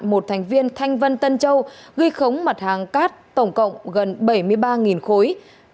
một thành viên thanh vân tân châu ghi khống mặt hàng cát tổng cộng gần bảy mươi ba khối